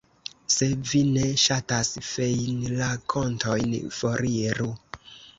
Se vi ne ŝatas feinrakontojn, foriru.